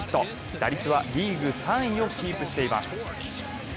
打率はリーグ３位をキープしています。